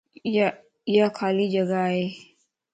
ايا خالي جڳا ائي